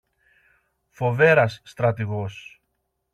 Φοβέρας, στρατηγός